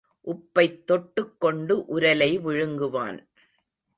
உப்பைத் தொட்டுக் கொண்டு உரலை விழுங்குவான்.